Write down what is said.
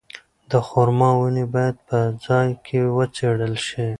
د خورما ونې باید په ځای کې وڅېړل شي.